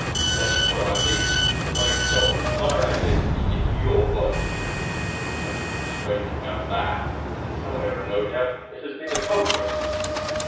That is what I mean. My soul, my identity, in your body there is nothing too strange about that. In some era, no doubt, it has been accomplished.